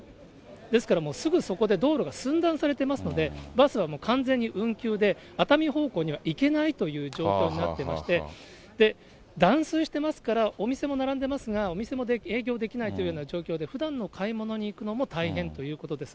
ですから、もうすぐそこで道路が寸断されてますので、バスは完全に運休で、熱海方向には行けないという状況になっていまして、断水してますから、お店も並んでますが、お店も営業できないというような状況で、ふだんの買い物に行くのも大変ということです。